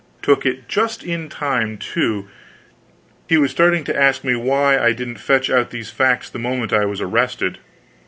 Took it just in time, too; he was starting to ask me why I didn't fetch out these facts the moment I was arrested.